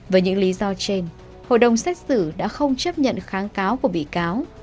với những lý do trên hội đồng xét xử đã không chấp nhận kháng cáo của bị cáo